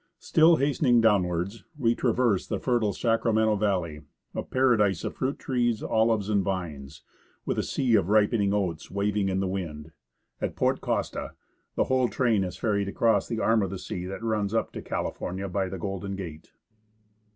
Still hastening downwards, we traverse the fertile Sacramento valley, a paradise of TRAIN OX FERRY BOAT. (From a Photo by H.R.H.) fruit trees, olives and vines, with a sea of ripening oats waving in the wind. At Port Costa the whole train is ferried across the arm of the sea that runs up to California by the Golden Gate.